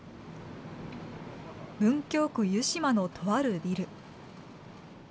文京区湯島のとあるビル。